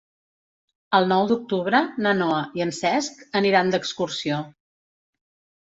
El nou d'octubre na Noa i en Cesc aniran d'excursió.